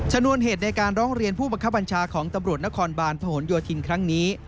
นวนเหตุในการร้องเรียนผู้บังคับบัญชาของตำรวจนครบาลพหนโยธินครั้งนี้